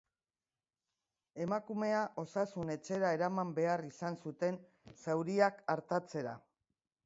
Emakumea osasun-etxera eraman behar izan zuten zauriak artatzera.